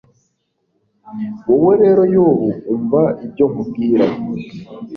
wowe rero yobu, umva ibyo nkubwira